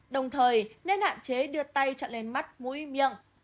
đồng thời nên hạn chế đưa tay cho lên mắt mũi miệng